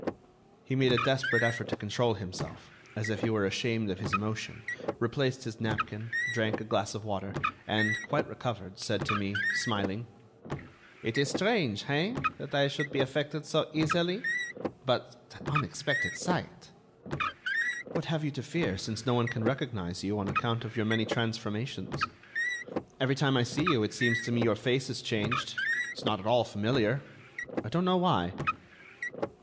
He made a desperate effort to control himself, as if he were ashamed of his emotion, replaced his napkin, drank a glass of water, and, quite recovered, said to me, smiling: "It is strange, hein, that I should be affected so easily, but that unexpected sight—" "What have you to fear, since no one can recognize you, on account of your many transformations? Every time I see you it seems to me your face is changed; it's not at all familiar. I don't know why."